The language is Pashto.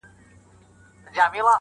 خاونده زور لرم خواږه خو د يارۍ نه غواړم.